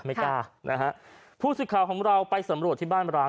ไม่กล้านะฮะผู้สื่อข่าวของเราไปสำรวจที่บ้านร้าง